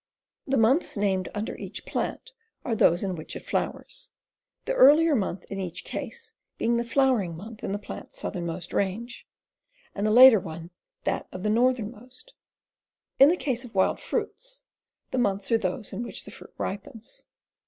The months named under each plant are those in which it flowers, the earlier month in each case being the flowering month in the plant's southernmost range, and the later one that of the northernmost. In the case of wild fruits, the months are those in which the fruit ripens.